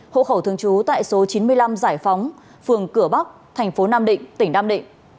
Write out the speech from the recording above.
hộ khẩu thường trú tại số chín mươi năm giải phóng phường cửa bắc thành phố nam định tỉnh nam định